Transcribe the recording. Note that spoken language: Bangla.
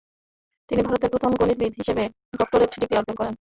তিনি ভারতের প্রথম গণিতবিদ হিসেবে ডক্টরেট ডিগ্রী অর্জন করেন।